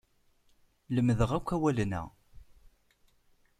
Lemdeɣ akk awalen-a.